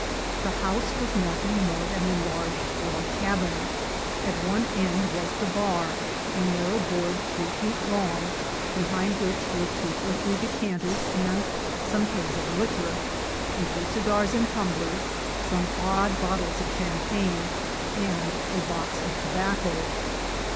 The house was nothing more than a large log cabin. At one end was the bar, a narrow board three feet long, behind which were two or three decanters and some kegs of liquor, a few cigars in tumblers, some odd bottles of champagne, and a box of tobacco.